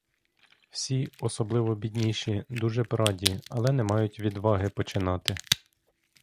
Всі, особливо бідніші, дуже б раді, але не мають відваги починати.